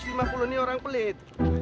dua ratus lima puluh ini orang pelit